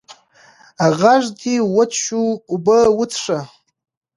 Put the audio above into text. غږ دې وچ شو اوبه وڅښه!